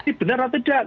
ini benar atau tidak